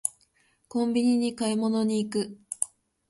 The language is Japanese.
コンビニに買い物に行く